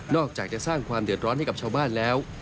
อกจากจะสร้างความเดือดร้อนให้กับชาวบ้านแล้ว